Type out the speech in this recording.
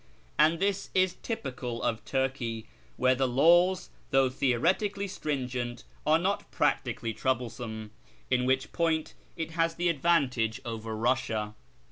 And this is typical of Turkey, where the laws, though theoretically striugent, are not practically trouble some ; in which point it has the advantage over Eussia.